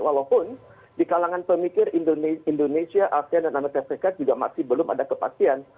walaupun di kalangan pemikir indonesia asean dan amerika serikat juga masih belum ada kepastian